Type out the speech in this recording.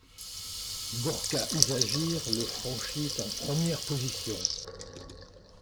Gorka Izagirre le franchit en première position.